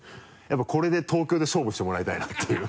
やっぱこれで東京で勝負してもらいたいなっていう。